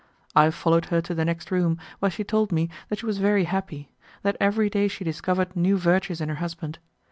I followed her to the next room, where she told me that she was very happy; that every day she discovered new virtues in her husband.